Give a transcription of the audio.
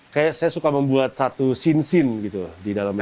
kayak saya suka membuat satu scene scene gitu di dalamnya